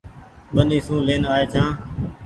ٻني سون لين آئي ڇآن ۔